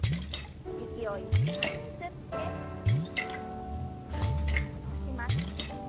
息をいっぱいに吸って吐いて戻します。